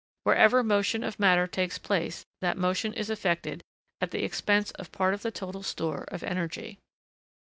Wherever motion of matter takes place, that motion is effected at the expense of part of the total store of energy.